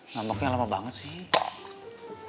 ngambeknya lama banget sih